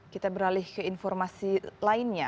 kita beralih ke informasi lainnya